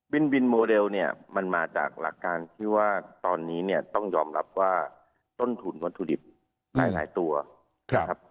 วินบินโมเดลเนี่ยมันมาจากหลักการที่ว่าตอนนี้เนี่ยต้องยอมรับว่าต้นทุนวัตถุดิบหลายตัวนะครับ